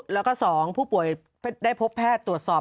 แล้วก็๒ผู้ป่วยได้พบแพทย์ตรวจสอบ